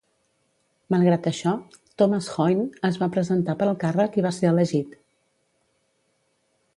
Malgrat això, Thomas Hoyne es va presentar per al càrrec i va ser elegit.